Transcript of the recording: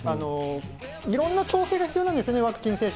いろんな調整が必要なんですね、ワクチン接種。